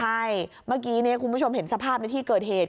ใช่เมื่อกี้คุณผู้ชมเห็นสภาพในที่เกิดเหตุ